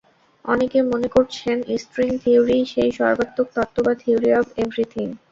অনেকে মনে করছেন, স্ট্রিং থিওরিই সেই সর্বাত্মক তত্ত্ব বা থিওরি অব এভরিথিং।